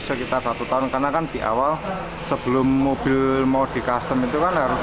sekitar satu tahun karena kan di awal sebelum mobil mau di custom itu kan harus